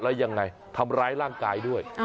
แล้วยังไงทำร้ายร่างกายด้วย